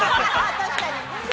◆確かに。